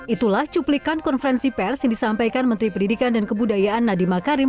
itulah cuplikan konferensi pers yang disampaikan menteri pendidikan dan kebudayaan nadiem makarim